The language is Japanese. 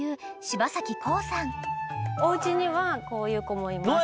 おうちにはこういう子もいます。